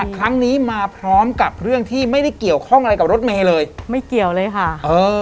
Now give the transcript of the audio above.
ครั้งนี้มาพร้อมกับเรื่องที่ไม่ได้เกี่ยวข้องอะไรกับรถเมย์เลยไม่เกี่ยวเลยค่ะเออ